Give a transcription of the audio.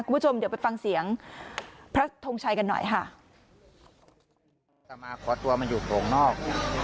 คุณผู้ชมเดี๋ยวไปฟังเสียงพระทงชัยกันหน่อยค่ะจะมาขอตัวมาอยู่โขลงนอก